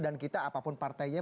dan kita apapun partainya